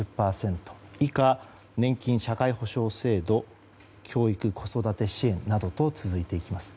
以下、年金・社会保障制度教育・子育て支援などと続いていきます。